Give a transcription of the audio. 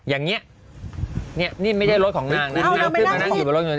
อย่างเงี้ยเนี้ยนี่ไม่ได้รถของนางนางขึ้นมานั่งหยิบบนรถของตัวเอง